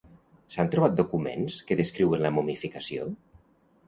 S'han trobat documents que descriuen la momificació?